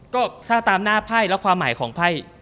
ก็ถ้าตามหน้าไพ่แล้วความหมายของไพ่